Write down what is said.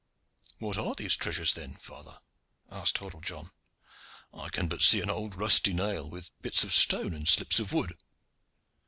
"What are these treasures, then, father?" asked Hordle John. "I can but see an old rusty nail, with bits of stone and slips of wood."